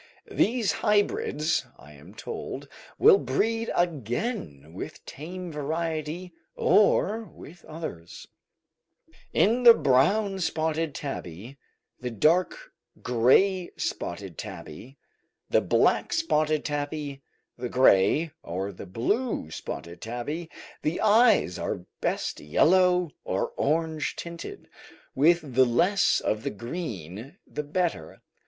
These hybrids, I am told, will breed again with tame variety, or with others. In the brown spotted tabby, the dark gray spotted tabby, the black spotted tabby, the gray or the blue spotted tabby, the eyes are best yellow or orange tinted, with the less of the green the better.